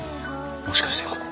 もしかしてここ。